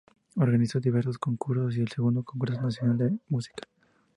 Organizó diversos concursos y el "Segundo Congreso Nacional de Música".